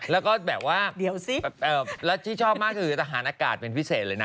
และที่ชอบมากคือทหารอากาศเป็นพิเศษเลยนะ